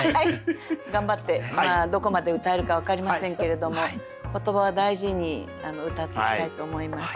頑張ってどこまで歌えるか分かりませんけれども言葉を大事に歌っていきたいと思います。